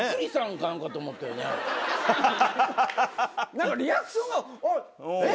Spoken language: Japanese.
何かリアクションがあっ！